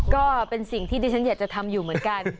ก็เป็นสิ่งที่ดิฉันอยากจะทำอยู่เหมือนกัน